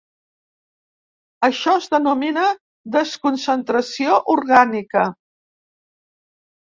Això es denomina desconcentració orgànica.